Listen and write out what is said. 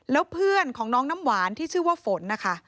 แล้วเพื่อนของน้องน้ำหวานที่ชื่อว่าฝนนะคะ